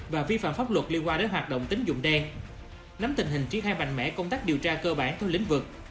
và vi phạm pháp luật liên quan đến hoạt động tính dụng đen nắm tình hình triết hai mạnh mẽ công tác điều tra cơ bản theo lĩnh vực